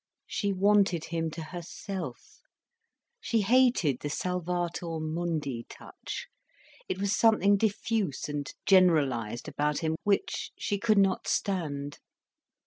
She wanted him to herself, she hated the Salvator Mundi touch. It was something diffuse and generalised about him, which she could not stand.